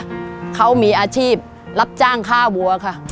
เหมือนกันว่ามันจะทำกูมันจะฆ่ากูอะไรอย่างนี้